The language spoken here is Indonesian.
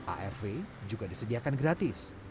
arv juga disediakan gratis